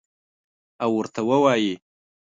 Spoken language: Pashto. او ورته ووایي: